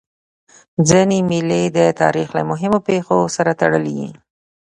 ځيني مېلې د تاریخ له مهمو پېښو سره تړلي يي.